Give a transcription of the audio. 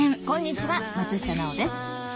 こんにちは松下奈緒です